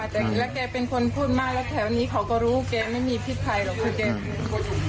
แต่แล้วแกเป็นคนพูดมากแล้วแถวนี้เขาก็รู้แกไม่มีพิษภัยหรอกคือแก